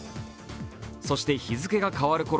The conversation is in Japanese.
そして日付が変わるころ